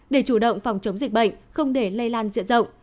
để chủ động phòng chống dịch bệnh không để lây lan diện rộng